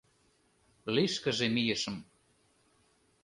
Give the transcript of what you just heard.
Лишкыже мийышым.